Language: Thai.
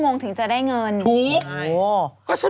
คุณหมอโดนกระช่าคุณหมอโดนกระช่า